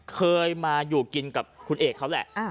เคยมาอยู่กินกับคุณเอกเขาแหละ